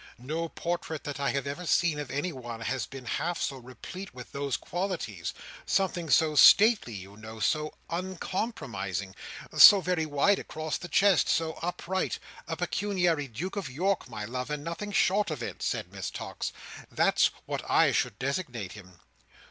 No portrait that I have ever seen of anyone has been half so replete with those qualities. Something so stately, you know: so uncompromising: so very wide across the chest: so upright! A pecuniary Duke of York, my love, and nothing short of it!" said Miss Tox. "That's what I should designate him."